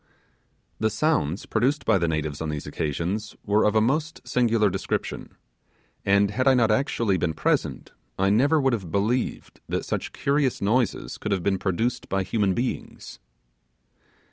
The sounds produced by the natives on these occasions were of a most singular description; and had I not actually been present, I never would have believed that such curious noises could have been produced by human beings.